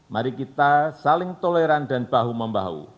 mari kita saling toleran dan bahu membahu